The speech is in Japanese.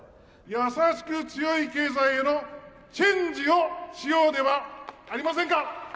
優しく強い経済への、チェンジをしようではありませんか。